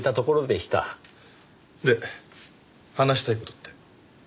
で話したい事って？